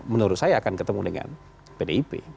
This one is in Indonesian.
menurut saya akan ketemu dengan pdip